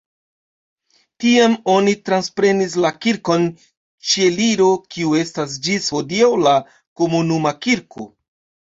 Tiam oni transprenis la Kirkon Ĉieliro kiu estas ĝis hodiaŭ la komunuma kirko.